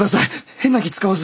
変な気使わず。